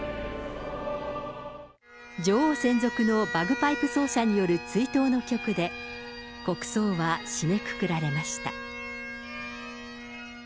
女王専属のバグパイプ奏者による追悼の曲で、国葬は締めくくられました。